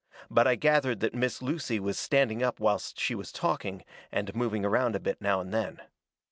But I gathered that Miss Lucy was standing up whilst she was talking, and moving around a bit now and then.